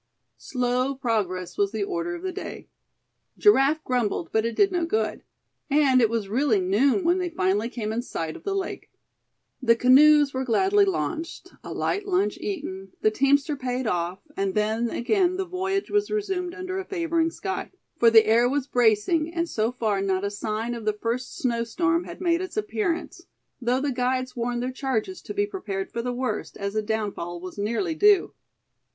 Slow progress was the order of the day. Giraffe grumbled, but it did no good. And it was really noon when they finally came in sight of the lake. The canoes were gladly launched, a light lunch eaten, the teamster paid off, and then again the voyage was resumed under a favoring sky; for the air was bracing, and so far not a sign of the first snow storm had made its appearance, though the guides warned their charges to be prepared for the worst, as a downfall was nearly due.